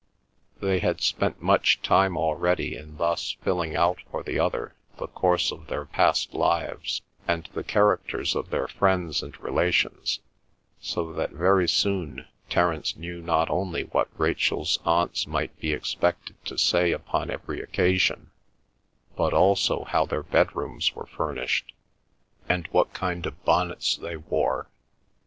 They had spent much time already in thus filling out for the other the course of their past lives, and the characters of their friends and relations, so that very soon Terence knew not only what Rachel's aunts might be expected to say upon every occasion, but also how their bedrooms were furnished, and what kind of bonnets they wore.